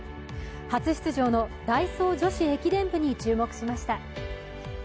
初出場のダイソー女子駅伝部に注目しました。